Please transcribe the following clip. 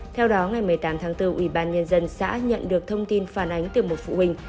theo đó ngày một mươi tám tháng bốn ủy ban nhân dân xã nhận được thông tin phản ánh từ một phụ huynh